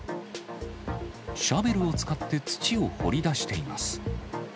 シャベルを使って土を掘り出しています。